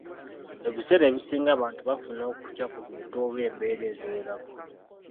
Ebiseera ebisinga abantu bafuna okutya ku bintu oba embeera eziwerako